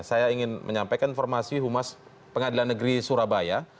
saya ingin menyampaikan informasi humas pengadilan negeri surabaya